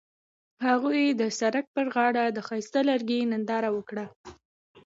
هغوی د سړک پر غاړه د ښایسته لرګی ننداره وکړه.